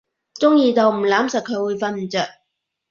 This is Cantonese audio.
中意到唔攬實佢會瞓唔著